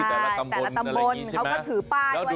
จนต่างปีแต่ละตำบลเขาก็ถือป้านก่อนนี่